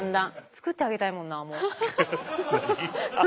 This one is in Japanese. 作ってあげたいもんなもう。